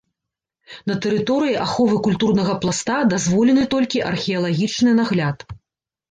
На тэрыторыі аховы культурнага пласта дазволены толькі археалагічны нагляд.